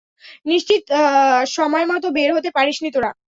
নিশ্চিত সময়মত বের হতে পারিসনি তোরা।